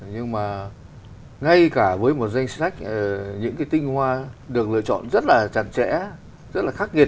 nhưng mà ngay cả với một danh sách những cái tinh hoa được lựa chọn rất là chặt chẽ rất là khắc nghiệt